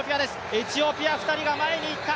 エチオピア２人が前に行った。